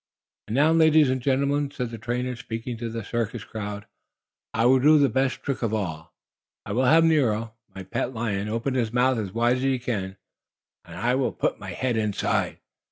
"And now, ladies and gentlemen," said the trainer, speaking to the circus crowd, "I will do the best trick of all. I will have Nero, my pet lion, open his mouth as wide as he can, and I will put my head inside!"